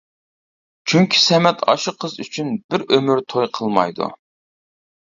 چۈنكى، سەمەت ئاشۇ قىز ئۈچۈن بىر ئۆمۈر توي قىلمايدۇ.